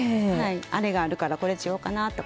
あれがあるからこれしようかなとか。